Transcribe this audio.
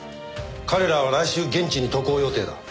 彼らは来週現地に渡航予定だ。